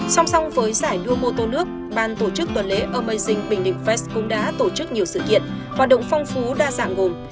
song song với giải đua mô tô nước ban tổ chức tuần lễ amazing bình định fest cũng đã tổ chức nhiều sự kiện hoạt động phong phú đa dạng gồm